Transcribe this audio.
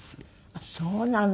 あっそうなの。